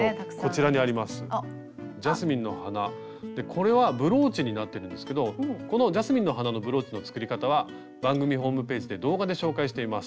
これはブローチになってるんですけどこの「ジャスミンの花のブローチ」の作り方は番組ホームページで動画で紹介しています。